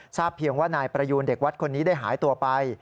เพียงว่านายประยูนเด็กวัดคนนี้ได้หายตัวไป